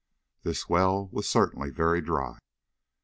This well was certainly very dry.